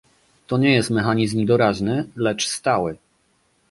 To nie jest mechanizm doraźny, lecz stały